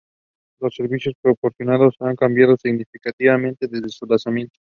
Los servicios proporcionados han cambiado significativamente desde su lanzamiento.